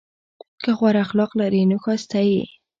که غوره اخلاق لرې نو ښایسته یې!